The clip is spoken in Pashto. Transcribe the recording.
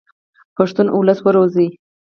پښتون اولس و روزئ.